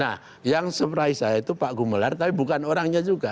nah yang surprise saya itu pak gumelar tapi bukan orangnya juga